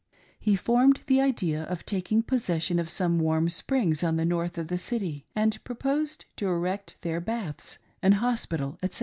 He formed the idea of taking possession of some warm springs on the north of the city, and proposed to erect there baths, an hospital, etc.